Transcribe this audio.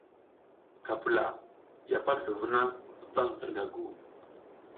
Ka pula, ya pal ɗu vuna i bam hirƞga gu.